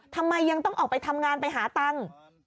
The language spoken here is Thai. ทำไมยังต้องออกไปทำงานไปหาตังค์